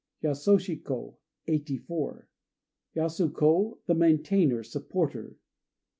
Yasoshi ko "Eighty four." Yasu ko "The Maintainer," supporter.